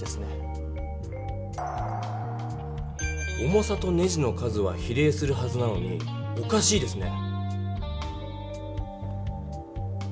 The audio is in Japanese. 重さとネジの数は比例するはずなのにおかしいですね。